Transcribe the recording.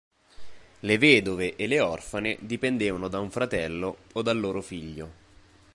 Le vedove e le orfane dipendevano da un fratello o dal loro figlio.